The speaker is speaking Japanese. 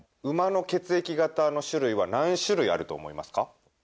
馬の血液型の種類は何種類あると思いますか？